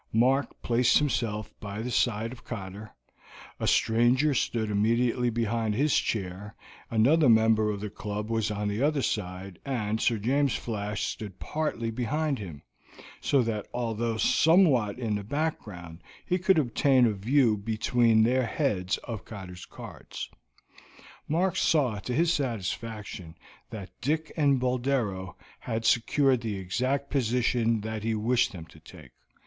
Mark placed himself' by the side of Cotter, a stranger stood immediately behind his chair, another member of the club was on the other side, and Sir James Flash stood partly behind him, so that although somewhat in the background he could obtain a view between their heads of Cotter's cards. Mark saw to his satisfaction that Dick and Boldero had secured the exact position that he wished them to take.